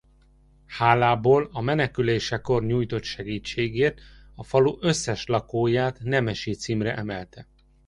Hálából a menekülésekor nyújtott segítségért a falu összes lakóját nemesi címre emelte.